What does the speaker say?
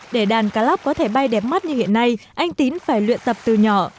để đàn cá lóc có thể bay đẹp mắt như hiện nay anh tín phải luyện tập từ nhỏ